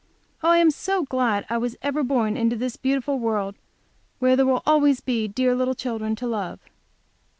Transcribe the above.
Oh, I am so glad I was ever born into this beautiful world, where there will always be dear little children to love!